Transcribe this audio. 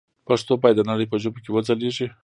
پښتو باید د نړۍ په ژبو کې وځلېږي.